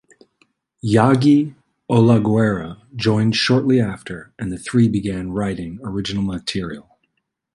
Yagi Olaguera joined shortly after and the three began writing original material.